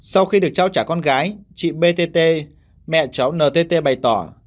sau khi được trao trả con gái chị btt mẹ cháu ntt bày tỏ